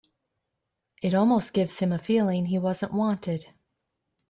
It almost gives him a feeling he wasn't wanted.